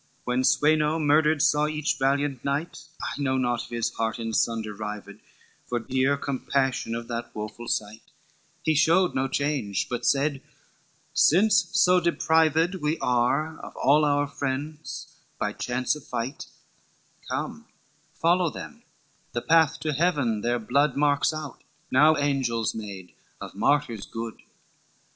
When Sweno murdered saw each valiant knight, I know not if his heart in sunder rived For dear compassion of that woful sight; He showed no change, but said: 'Since so deprived We are of all our friends by chance of fight, Come follow them, the path to heaven their blood Marks out, now angels made, of martyrs good.